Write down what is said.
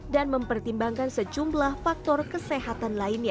dan mempertimbangkan sejumlah faktor kesehatan lainnya